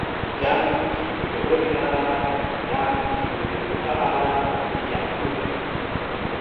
jan pi wile olin ala en jan pi wile unpa ala li jan kule.